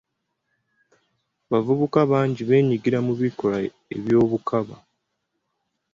Abavubuka bangi beenyigira mu bikolwa eby'obukaba.